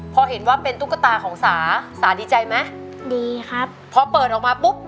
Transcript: พอเห็นว่าเป็นตุ๊กตาของสาสาดีใจไหมดีครับพอเปิดออกมาปุ๊บ